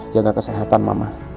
jaga kesehatan mama